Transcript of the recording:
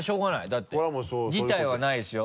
だって辞退はないですよ。